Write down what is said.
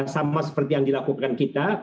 sama seperti yang dilakukan kita